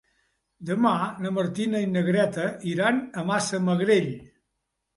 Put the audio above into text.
Demà na Martina i na Greta iran a Massamagrell.